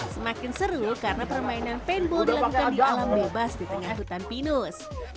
semakin seru karena permainan painball dilakukan di alam bebas di tengah hutan pinus